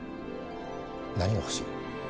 何が欲しい？